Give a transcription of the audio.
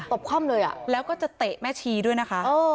บคว่ำเลยแล้วก็จะเตะแม่ชีด้วยนะคะ